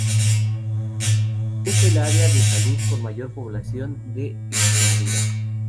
Es el Área de Salud con mayor población de Extremadura.